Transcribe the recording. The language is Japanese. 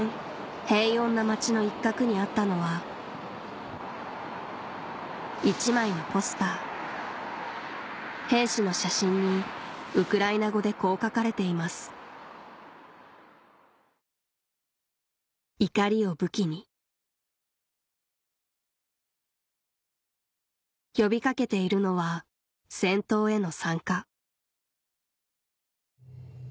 平穏な街の一角にあったのは１枚のポスター兵士の写真にウクライナ語でこう書かれています呼びかけているのは戦闘への参加